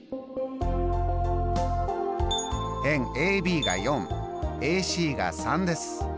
辺ＡＢが４ＡＣが３です。